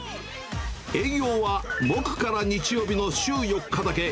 営業は木から日曜日の週４日だけ。